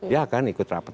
ya kan ikut rapat